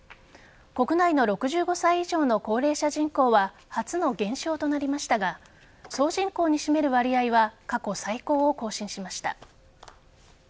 国内の６５歳以上の高齢者人口は初の減少となりましたが総人口に占める割合は過去最高を更新しました。